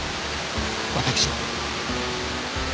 私は。